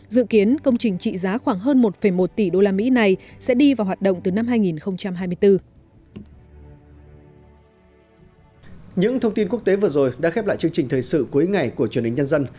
dự kiến công trình trị giá khoảng hơn một một tỷ usd này sẽ đi vào hoạt động từ năm hai nghìn hai mươi bốn